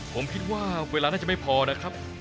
ผมคิดว่าเวลาน่าจะไม่พอนะครับ